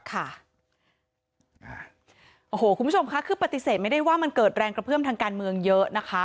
คุณผู้ชมคะคือปฏิเสธไม่ได้ว่ามันเกิดแรงกระเพื่อมทางการเมืองเยอะนะคะ